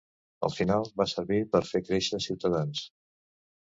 Al final va servir per fer créixer Ciutadans.